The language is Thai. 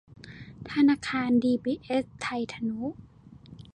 ธนาคารดีบีเอสไทยทนุ